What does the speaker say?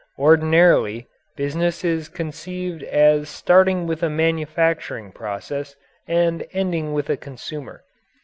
Ordinarily, business is conceived as starting with a manufacturing process and ending with a consumer.